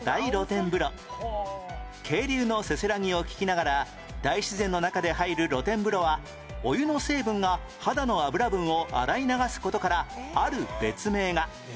渓流のせせらぎを聞きながら大自然の中で入る露天風呂はお湯の成分が肌の脂分を洗い流す事からある別名が